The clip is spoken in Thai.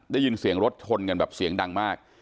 ได้ยินเสียงรถชนกันแบบเสียงดังมาก